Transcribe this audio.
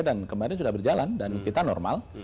dan kemarin sudah berjalan dan kita normal